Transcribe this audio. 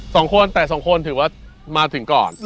สองคนแต่สองคนถือว่ามาถึงก่อน